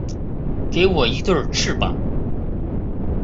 给我一对翅膀